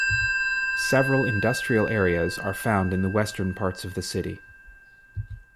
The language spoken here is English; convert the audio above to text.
Several industrial areas are found in the western parts of the city.